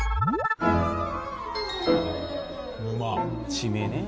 地名ね。